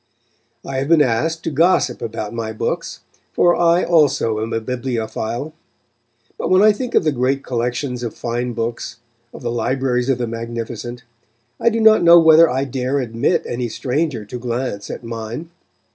I have been asked to gossip about my books, for I also am a bibliophile. But when I think of the great collections of fine books, of the libraries of the magnificent, I do not know whether I dare admit any stranger to glance at mine.